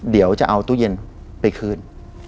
เดี๋ยวจะเอาตู้เย็นไปคืน